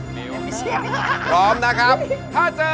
คืออย่างนี้พ่อ